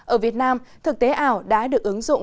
ở việt nam thực tế ảo đã được ứng dụng